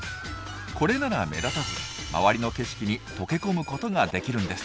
これなら目立たず周りの景色に溶け込むことができるんです。